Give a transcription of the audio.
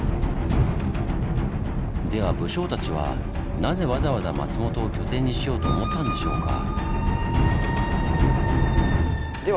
では武将たちはなぜわざわざ松本を拠点にしようと思ったんでしょうか？